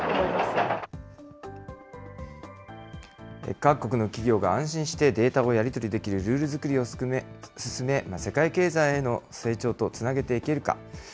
各国の企業が安心してデータをやり取りできるルール作りを進め、世界経済への成長へとつなげていけるか。